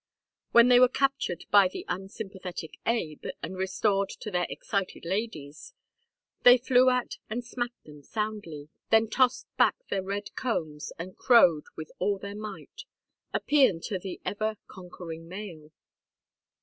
When they were captured by the unsympathetic Abe and restored to their excited ladies, they flew at and smacked them soundly, then tossed back their red combs and crowed with all their might: a pæan to the ever conquering male.